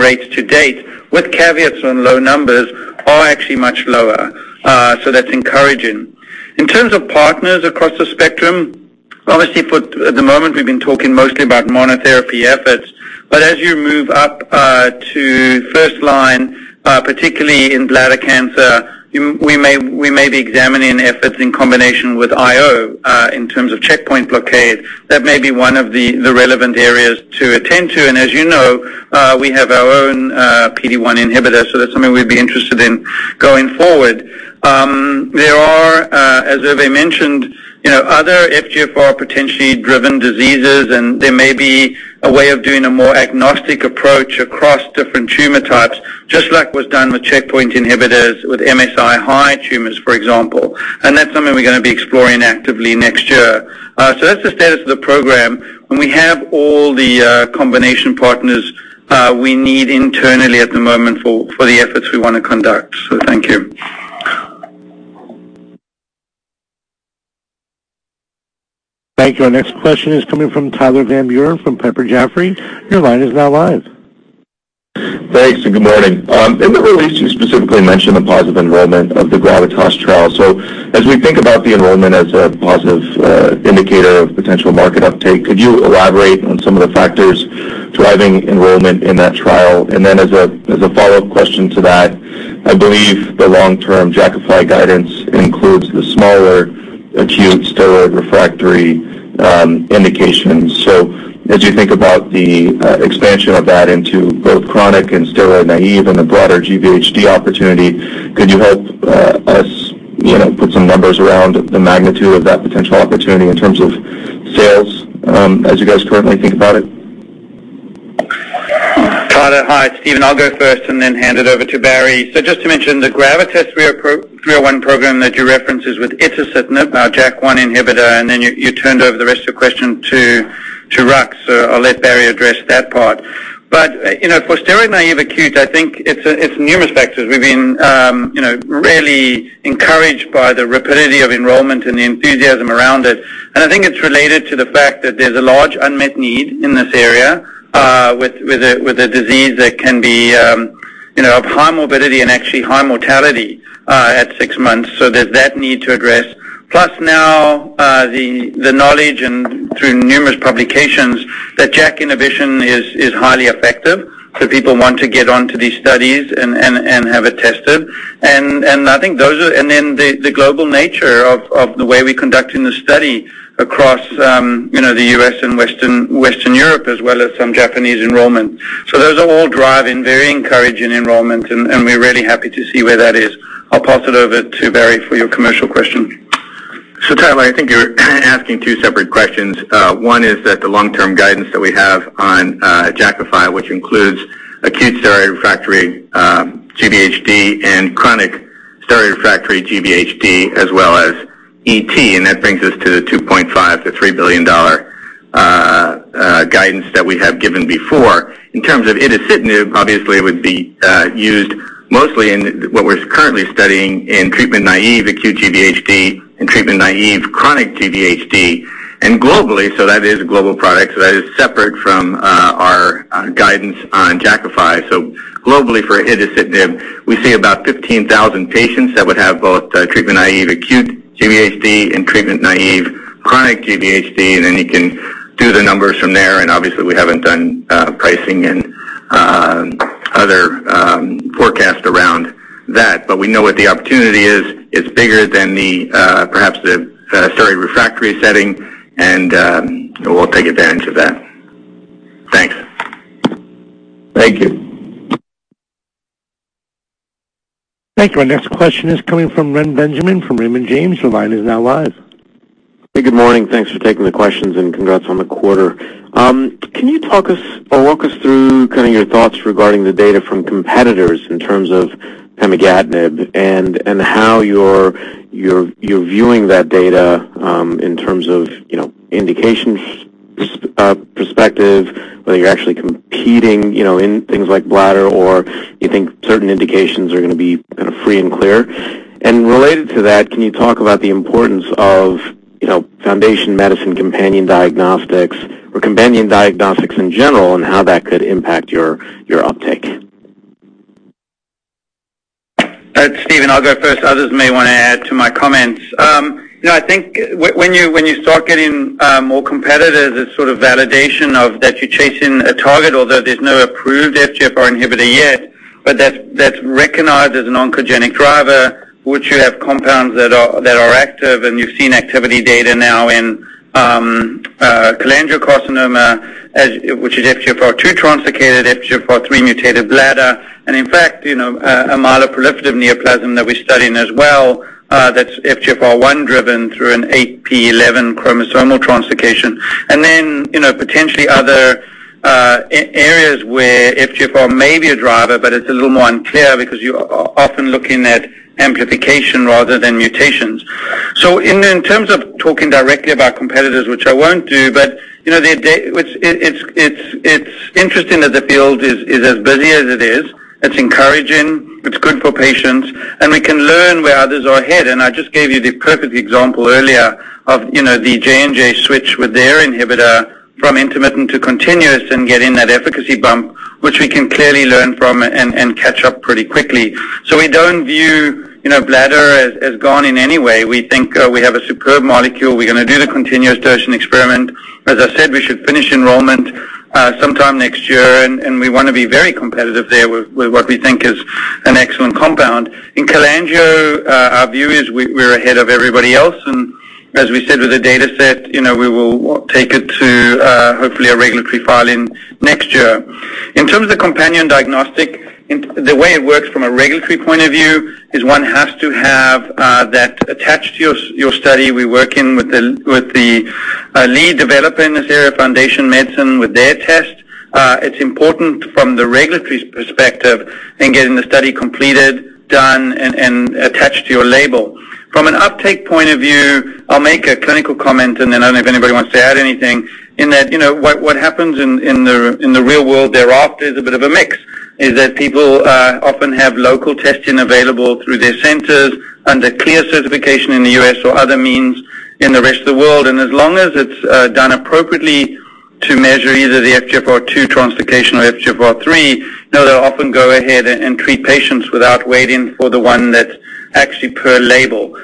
rates to date, with caveats on low numbers, are actually much lower. That's encouraging. In terms of partners across the spectrum, obviously at the moment, we've been talking mostly about monotherapy efforts. As you move up to first line, particularly in bladder cancer, we may be examining efforts in combination with IO in terms of checkpoint blockade. That may be one of the relevant areas to attend to. As you know, we have our own PD-1 inhibitor, that's something we'd be interested in going forward. There are, as Hervé mentioned, other FGFR potentially driven diseases, and there may be a way of doing a more agnostic approach across different tumor types, just like was done with checkpoint inhibitors, with MSI-high tumors, for example. That's something we're going to be exploring actively next year. That's the status of the program, and we have all the combination partners we need internally at the moment for the efforts we want to conduct. Thank you. Thank you. Our next question is coming from Tyler Van Buren from Piper Jaffray. Your line is now live. Thanks, good morning. In the release, you specifically mentioned the positive enrollment of the GRAVITAS trial. As we think about the enrollment as a positive indicator of potential market uptake, could you elaborate on some of the factors driving enrollment in that trial? As a follow-up question to that, I believe the long-term Jakafi guidance includes the smaller acute steroid-refractory indications. As you think about the expansion of that into both chronic and steroid naive and the broader GVHD opportunity, could you help us put some numbers around the magnitude of that potential opportunity in terms of sales as you guys currently think about it? Tyler, hi. It's Steven. I'll go first and then hand it over to Barry. Just to mention, the GRAVITAS-301 program that you referenced is with itacitinib, our JAK1 inhibitor, you turned over the rest of the question to Rux. I'll let Barry address that part. But for steroid naive acute, I think it's numerous factors. We've been really encouraged by the rapidity of enrollment and the enthusiasm around it. I think it's related to the fact that there's a large unmet need in this area with a disease that can be of high morbidity and actually high mortality at six months. There's that need to address. Plus now, the knowledge and through numerous publications that JAK inhibition is highly effective. People want to get onto these studies and have it tested. The global nature of the way we're conducting the study across the U.S. and Western Europe, as well as some Japanese enrollment. Those are all driving very encouraging enrollment, we're really happy to see where that is. I'll pass it over to Barry for your commercial question. Tyler, I think you're asking 2 separate questions. One is that the long-term guidance that we have on Jakafi, which includes acute steroid-refractory GVHD and chronic steroid-refractory GVHD as well as ET, that brings us to the $2.5 billion-$3 billion guidance that we have given before. In terms of itacitinib, obviously, it would be used mostly in what we're currently studying in treatment-naive acute GVHD and treatment-naive chronic GVHD. Globally, that is a global product, that is separate from our guidance on Jakafi. Globally for itacitinib, we see about 15,000 patients that would have both treatment-naive acute GVHD and treatment-naive chronic GVHD, then you can do the numbers from there. Obviously, we haven't done pricing and other forecasts around that. We know what the opportunity is. It's bigger than perhaps the steroid-refractory setting, and we'll take advantage of that. Thanks. Thank you. Thank you. Our next question is coming from Reni Benjamin from Raymond James. Your line is now live. Hey, good morning. Thanks for taking the questions, congrats on the quarter. Can you talk us or walk us through your thoughts regarding the data from competitors in terms of pemigatinib and how you're viewing that data in terms of indication perspective, whether you're actually competing in things like bladder, or you think certain indications are going to be free and clear? Related to that, can you talk about the importance of Foundation Medicine companion diagnostics or companion diagnostics in general, and how that could impact your uptake? Steven, I'll go first. Others may want to add to my comments. I think when you start getting more competitors, it's sort of validation that you're chasing a target, although there's no approved FGFR inhibitor yet. That's recognized as an oncogenic driver, which you have compounds that are active, and you've seen activity data now in cholangiocarcinoma, which is FGFR2 translocated, FGFR3 mutated bladder. In fact, a myeloproliferative neoplasm that we're studying as well that's FGFR1 driven through an 8p11 chromosomal translocation. Potentially other areas where FGFR may be a driver, but it's a little more unclear because you're often looking at amplification rather than mutations. In terms of talking directly about competitors, which I won't do, but it's interesting that the field is as busy as it is. It's encouraging, it's good for patients, and we can learn where others are ahead. I just gave you the perfect example earlier of the J&J switch with their inhibitor from intermittent to continuous and getting that efficacy bump, which we can clearly learn from and catch up pretty quickly. We don't view bladder as gone in any way. We think we have a superb molecule. We're going to do the continuous dose and experiment. As I said, we should finish enrollment sometime next year, and we want to be very competitive there with what we think is an excellent compound. In cholangio, our view is we're ahead of everybody else, and as we said with the data set, we will take it to hopefully a regulatory filing next year. In terms of the companion diagnostic, the way it works from a regulatory point of view is one has to have that attached to your study. We're working with the lead developer in this area, Foundation Medicine, with their test. It's important from the regulatory perspective in getting the study completed, done, and attached to your label. From an uptake point of view, I'll make a clinical comment, and then I don't know if anybody wants to add anything, in that what happens in the real world thereafter is a bit of a mix, is that people often have local testing available through their centers under clear certification in the U.S. or other means in the rest of the world. As long as it's done appropriately to measure either the FGFR2 translocation or FGFR3, they'll often go ahead and treat patients without waiting for the one that's actually per label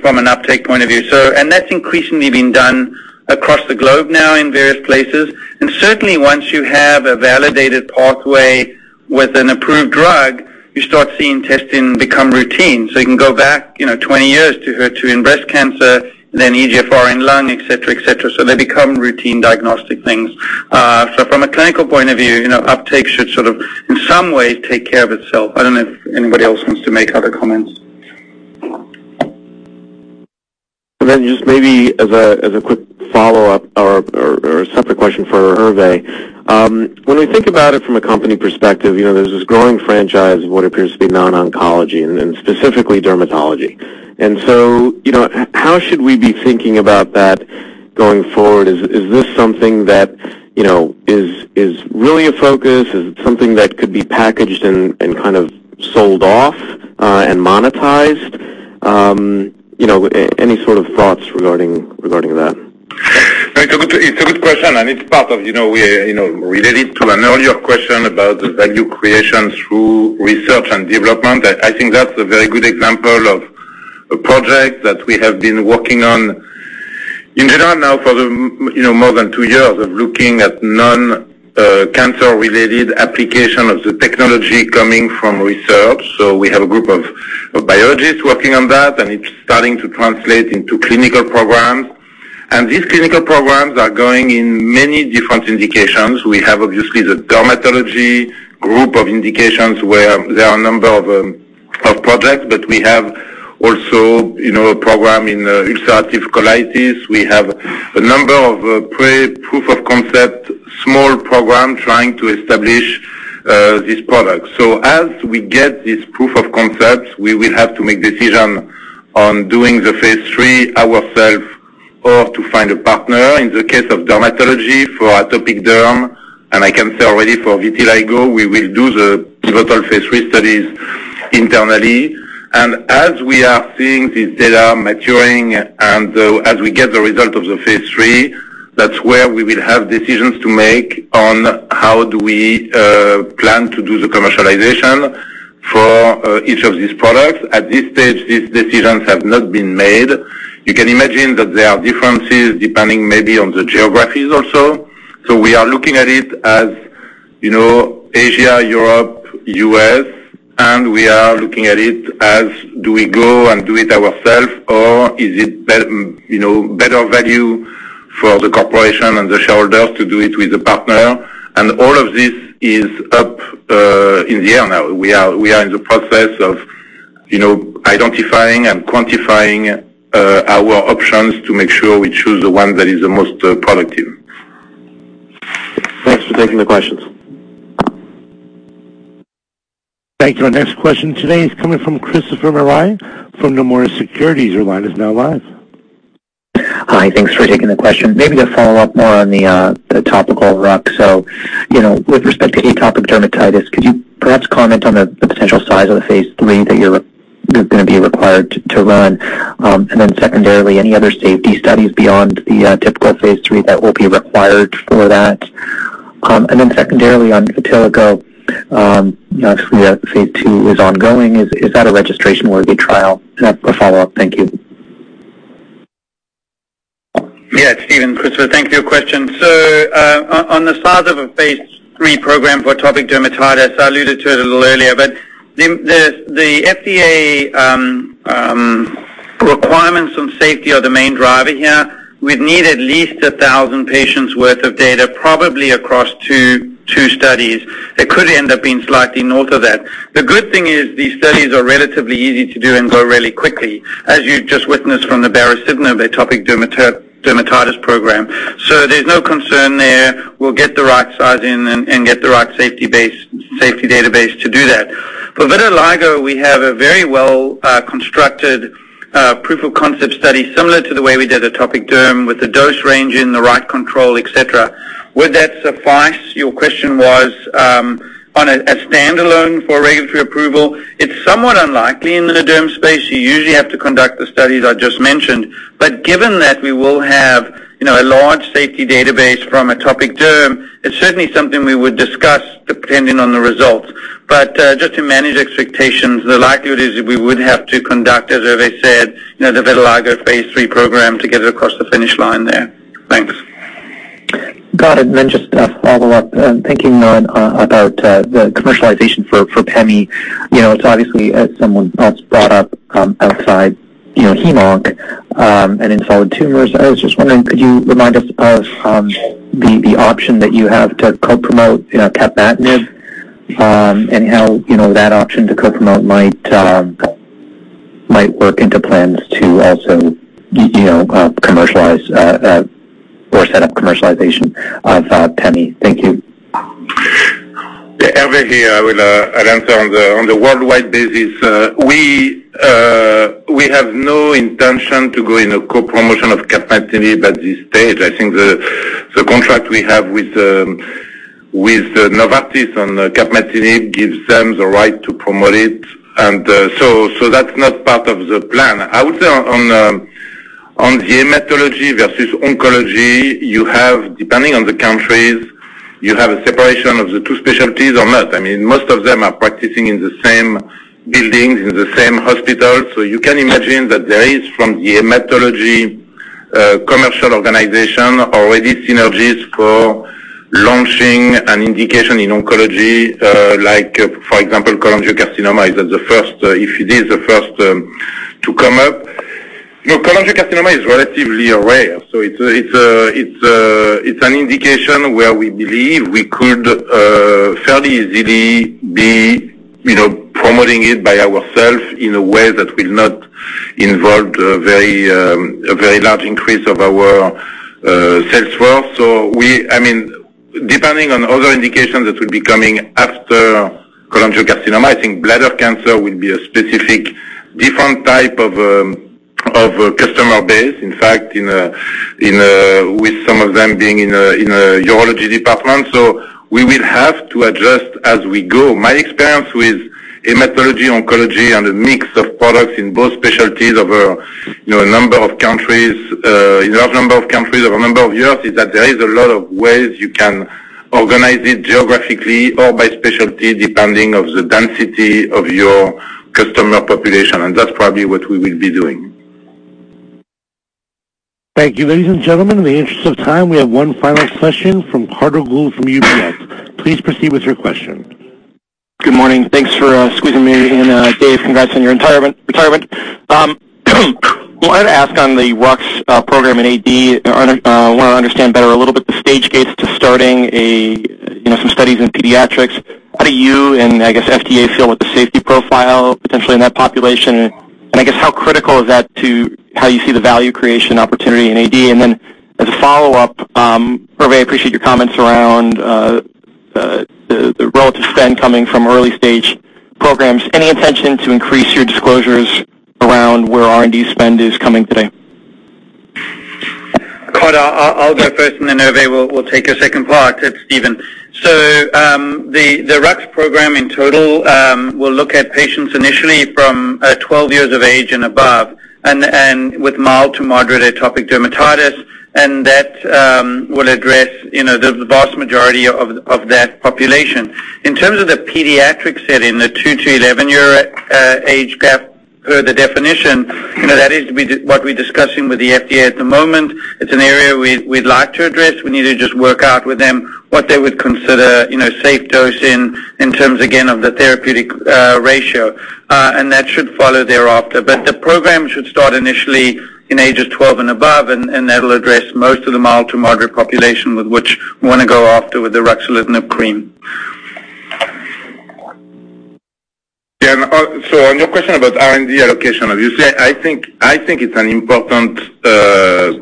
from an uptake point of view. That's increasingly being done across the globe now in various places. Certainly, once you have a validated pathway with an approved drug, you start seeing testing become routine. You can go back 20 years to HER2 in breast cancer, then EGFR in lung, et cetera. They become routine diagnostic things. From a clinical point of view, uptake should sort of in some way take care of itself. I don't know if anybody else wants to make other comments. Just maybe as a quick follow-up or separate question for Hervé. When we think about it from a company perspective, there's this growing franchise of what appears to be non-oncology and specifically dermatology. How should we be thinking about that going forward? Is this something that is really a focus? Is it something that could be packaged and kind of sold off and monetized? Any sort of thoughts regarding that? It's a good question, and it's part of related to an earlier question about the value creation through research and development. I think that's a very good example of a project that we have been working on in general now for more than two years of looking at non-cancer related application of the technology coming from research. We have a group of biologists working on that, and it's starting to translate into clinical programs. These clinical programs are going in many different indications. We have, obviously, the dermatology group of indications where there are a number of projects, but we also have a program in ulcerative colitis. We have a number of pre-proof of concept, small program trying to establish this product. As we get this proof of concept, we will have to make decision on doing the phase III ourselves or to find a partner. In the case of dermatology for atopic derm, and I can say already for vitiligo, we will do the pivotal phase III studies internally. As we are seeing this data maturing and as we get the result of the phase III, that's where we will have decisions to make on how do we plan to do the commercialization for each of these products. At this stage, these decisions have not been made. You can imagine that there are differences depending maybe on the geographies also. We are looking at it as Asia, Europe, U.S., and we are looking at it as do we go and do it ourselves or is it better value for the corporation and the shareholders to do it with a partner? All of this is up in the air now. We are in the process of identifying and quantifying our options to make sure we choose the one that is the most productive. Thanks for taking the questions. Thank you. Our next question today is coming from Christopher Marai from Nomura Securities. Your line is now live. Hi. Thanks for taking the question. Maybe to follow up more on the topical RUC. With respect to atopic dermatitis, could you perhaps comment on the potential size of the phase III that you're going to be required to run? And then secondarily, any other safety studies beyond the typical phase III that will be required for that? And then secondarily, on vitiligo, obviously that phase II is ongoing. Is that a registration worthy trial? A follow-up. Thank you. Yeah, it's Steven. Christopher, thank you for your question. On the size of a phase III program for atopic dermatitis, I alluded to it a little earlier, but the FDA requirements on safety are the main driver here. We'd need at least 1,000 patients worth of data, probably across two studies. It could end up being slightly north of that. The good thing is these studies are relatively easy to do and go really quickly, as you just witnessed from the baricitinib atopic dermatitis program. There's no concern there. We'll get the right size in and get the right safety database to do that. For vitiligo, we have a very well-constructed proof of concept study similar to the way we did atopic derm with the dose range in the right control, et cetera. Would that suffice, your question was, on a standalone for regulatory approval? It's somewhat unlikely in the derm space. You usually have to conduct the studies I just mentioned. Given that we will have a large safety database from atopic derm, it's certainly something we would discuss depending on the results. Just to manage expectations, the likelihood is that we would have to conduct, as Hervé said, the vitiligo phase III program to get it across the finish line there. Thanks. Got it. Just to follow up, thinking about the commercialization for pemigatinib. It's obviously, as someone else brought up outside, hemonc and in solid tumors. I was just wondering, could you remind us of the option that you have to co-promote capmatinib and how that option to co-promote might work into plans to also commercialize or set up commercialization of pemigatinib? Thank you. Hervé here. I will answer on the worldwide basis. We have no intention to go in a co-promotion of capmatinib at this stage. I think the contract we have with Novartis on capmatinib gives them the right to promote it. That's not part of the plan. I would say on the hematology versus oncology, depending on the countries, you have a separation of the two specialties or not. Most of them are practicing in the same buildings, in the same hospital. You can imagine that there is, from the hematology commercial organization, already synergies for launching an indication in oncology, like for example, cholangiocarcinoma, if it is the first to come up. Cholangiocarcinoma is relatively rare. It's an indication where we believe we could fairly easily be promoting it by ourself in a way that will not involve a very large increase of our sales force. Depending on other indications that will be coming after cholangiocarcinoma, I think bladder cancer will be a specific different type of customer base. In fact, with some of them being in a urology department. We will have to adjust as we go. My experience with hematology, oncology, and a mix of products in both specialties over a number of countries, a large number of countries over a number of years, is that there is a lot of ways you can organize it geographically or by specialty, depending of the density of your customer population, and that's probably what we will be doing. Thank you. Ladies and gentlemen, in the interest of time, we have one final question from Carter Gould from UBS. Please proceed with your question. Good morning. Thanks for squeezing me in. Dave, congrats on your retirement. Wanted to ask on the RUX program in AD, want to understand better a little bit the stage gates to starting some studies in pediatrics. How do you and I guess FDA feel with the safety profile potentially in that population? I guess how critical is that to how you see the value creation opportunity in AD? As a follow-up, Hervé, I appreciate your comments around the relative spend coming from early-stage programs. Any intention to increase your disclosures around where R&D spend is coming today? Carter, I'll go first and then Hervé will take the second part. It's Steven. The RUX program in total will look at patients initially from 12 years of age and above, and with mild to moderate atopic dermatitis, and that will address the vast majority of that population. In terms of the pediatric setting, the 2 to 11-year age gap, per the definition, that is what we're discussing with the FDA at the moment. It's an area we'd like to address. We need to just work out with them what they would consider safe dosing in terms, again, of the therapeutic ratio. That should follow thereafter. The program should start initially in ages 12 and above, and that'll address most of the mild to moderate population with which we want to go after with the ruxolitinib cream. On your question about R&D allocation, as you say, I think it's an important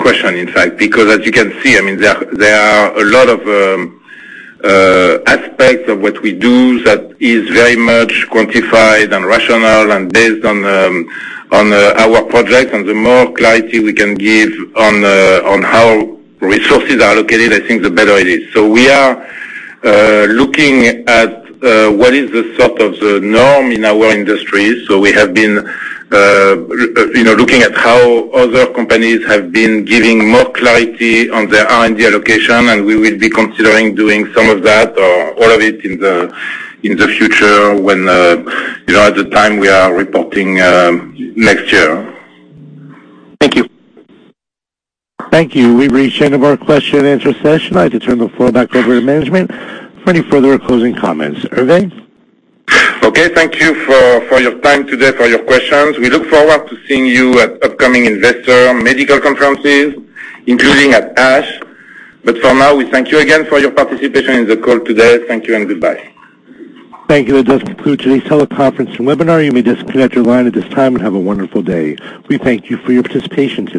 question, in fact, because as you can see, there are a lot of aspects of what we do that is very much quantified and rational and based on our projects. The more clarity we can give on how resources are allocated, I think the better it is. We are looking at what is the sort of the norm in our industry. We have been looking at how other companies have been giving more clarity on their R&D allocation, and we will be considering doing some of that or all of it in the future when at the time we are reporting next year. Thank you. Thank you. We've reached the end of our question and answer session. I'd like to turn the floor back over to management for any further closing comments. Hervé? Okay. Thank you for your time today, for your questions. We look forward to seeing you at upcoming investor medical conferences, including at ASH. For now, we thank you again for your participation in the call today. Thank you and goodbye. Thank you. That does conclude today's teleconference and webinar. You may disconnect your line at this time and have a wonderful day. We thank you for your participation today